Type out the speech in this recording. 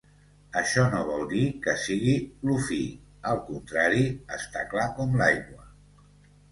Això no vol dir que sigui lo-fi; al contrari, està clar com l'aigua.